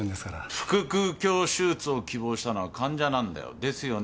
腹腔鏡手術を希望したのは患者なんだよ。ですよね？